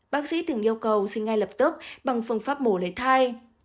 bác sĩ thường yêu cầu sinh ngay lập tức bằng phương pháp mổ lấy thai